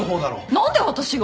何で私が？